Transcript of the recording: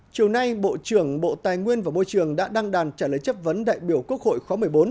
chiều nay bộ trưởng bộ tài nguyên và môi trường đã đăng đàn trả lời chất vấn đại biểu quốc hội khóa một mươi bốn